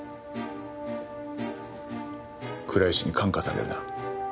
倉石に感化されるな。